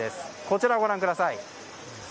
こちらご覧ください。